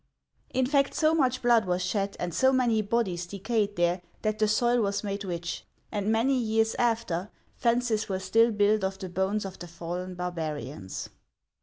In fact, so much blood was shed, and so many bodies decayed there, that the soil was made rich; and many years after, fences were still built of the bones of the fallen barbarians.